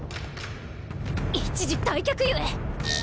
一時退却ゆえ！